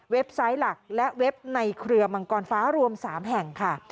ไซต์หลักและเว็บในเครือมังกรฟ้ารวม๓แห่งค่ะ